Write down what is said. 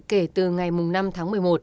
kể từ ngày năm tháng một mươi một